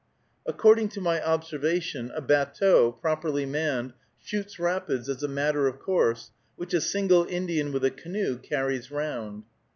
According to my observation, a batteau, properly manned, shoots rapids as a matter of course, which a single Indian with a canoe carries round.